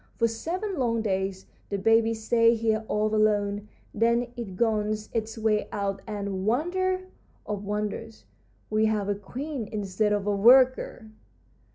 For seven long days the baby stays here all alone, then it gnaws its way out, and, wonder of wonders, we have a queen instead of a worker!